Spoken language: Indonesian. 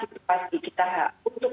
ibu ingin menjelaskan menurut ibu